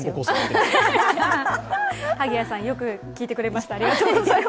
萩谷さん、よく聞いてくれました